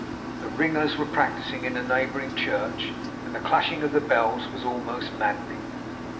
The ringers were practicing in a neighbouring church, and the clashing of the bells was almost maddening.